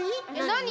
なに？